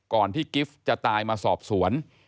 ที่กิฟต์จะตายมาสอบสวน